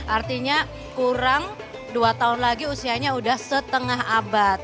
artinya kurang dua tahun lagi usianya udah setengah abad